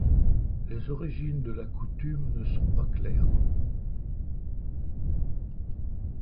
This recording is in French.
Les origines de la coutume ne sont pas claires.